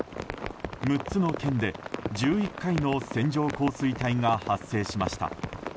６つの県で１１回の線状降水帯が発生しました。